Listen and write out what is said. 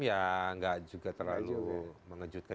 ya nggak juga terlalu mengejutkan